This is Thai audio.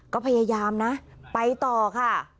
ก็พยายามนะไปต่อค่ะ